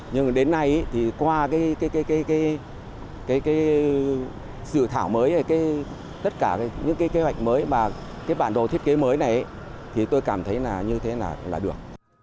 nhưng đến nay thì qua cái sự thảo mới tất cả những kế hoạch mới và cái bản đồ thiết kế mới này thì tôi cảm thấy như thế là được